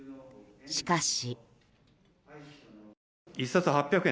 しかし。